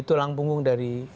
tulang punggung dari